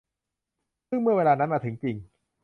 ซึ่งเมื่อเวลานั้นมาถึงจริง